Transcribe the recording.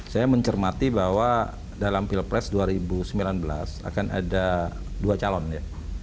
saya mencermati bahwa dalam pilpres dua ribu sembilan belas akan ada dua calon ya